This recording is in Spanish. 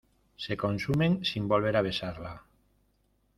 se consumen sin volver a besarla.